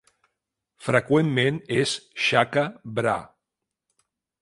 Freqüentment és "shaka brah".